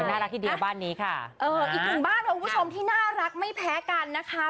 น่ารักทีเดียวบ้านนี้ค่ะเอออีกหนึ่งบ้านค่ะคุณผู้ชมที่น่ารักไม่แพ้กันนะคะ